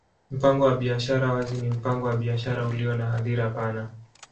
Mpango wa biashara wazi ni mpango wa biashara ulio na hadhira pana.